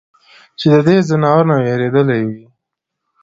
چې د دې ځناورو نه وېرېدلے وي ؟